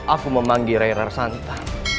aku memanggil rai rarasanta